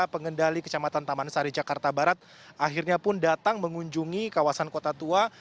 pengendali kecamatan taman sari jakarta barat akhirnya pun datang mengunjungi kawasan kota tua